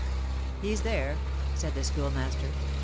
"He's there," said the Schoolmaster.